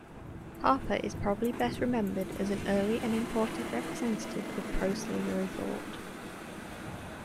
Harper is probably best remembered as an early and important representative of pro-slavery thought.